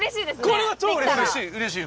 これは超うれしい！